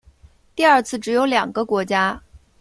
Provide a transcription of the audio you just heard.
第二次只有两个国家。